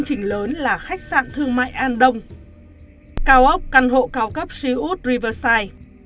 đặc điểm lớn là khách sạn thương mại an đông cao ốc căn hộ cao cấp siêu út riverside